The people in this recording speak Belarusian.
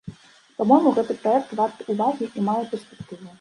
Па-мойму, гэты праект варты ўвагі і мае перспектыву.